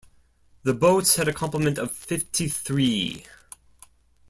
The boats had a complement of fifty-three.